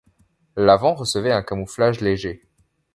L’avant recevait un camouflage léger.